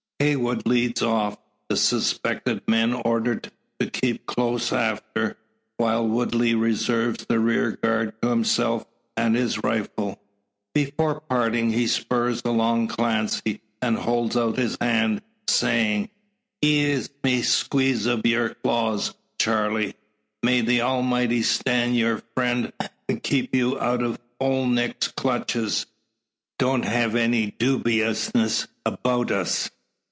Heywood leads off; the suspected men ordered to keep close after; while Woodley reserves the rear guard to himself and his rifle. Before parting, he spurs alongside Clancy, and holds out his hand, saying: "Gi'e me a squeeze o' yur claws, Charley. May the Almighty stan' your frien' and keep you out o' Ole Nick's clutches. Don't hev' any dubiousness 'bout us.